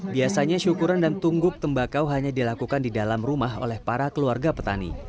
biasanya syukuran dan tungguk tembakau hanya dilakukan di dalam rumah oleh para keluarga petani